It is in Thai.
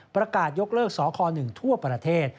ประกาศยกเลิกสค๑ทั่วประเทศ